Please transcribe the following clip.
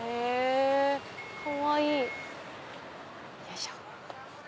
かわいい！よいしょ。